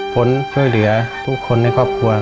ฝนเพื่อเหลือทุกคนในครอบครัวครับ